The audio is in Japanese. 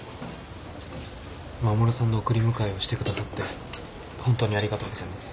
衛さんの送り迎えをしてくださってホントにありがとうございます。